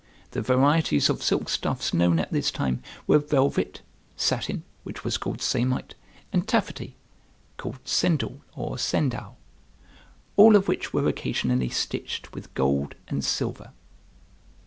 The varieties of silk stuffs known at this time were velvet, satin (which was called samite), and taffety (called cendal or sendall), all of which were occasionally stitched with gold and silver.